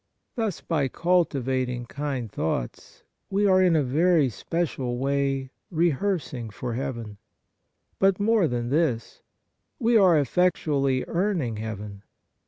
Thus by culti vating kind thoughts w^e are in a very special way rehearsing for heaven. But 64 Kindness more than this : we are effectually earning heaven.